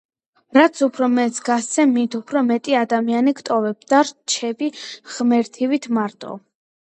რაც უფრო მეტს გასცემ, მით უფრო მეტი ადამიანი გტოვებს და რჩები ღმერთივით მარტო